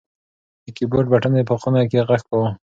د کیبورډ بټنې په خونه کې غږ کاوه.